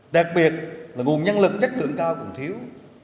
đặc biệt là nguồn nhân lực chất lượng cao còn thiếu